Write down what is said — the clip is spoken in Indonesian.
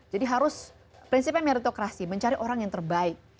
jadi harus prinsipnya meritokrasi mencari orang yang terbaik